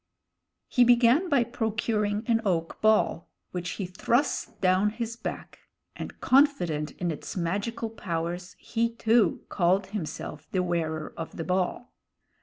He began by procuring an oak ball, which he thrust down his back, and, confident in its magical powers, he, too, called himself The Wearer of the Ball.